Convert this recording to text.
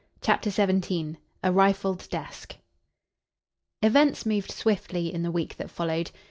_ CHAPTER XVII A RIFLED DESK Events moved swiftly in the week that followed.